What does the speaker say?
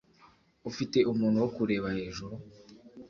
Ufite umuntu wo kureba hejuru?